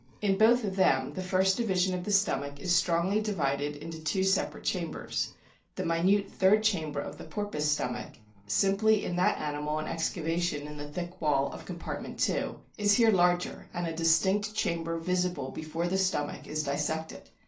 In both of them the first division of the stomach is strongly divided into two separate chambers ; the minute third chamber of the porpoise stomach, simply in that animal an excavation in the thick wall of compartment II., is here larger, and a distinct chamber visible before the stomach is dissected.